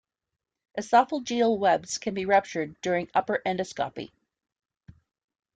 Esophageal webs can be ruptured during upper endoscopy.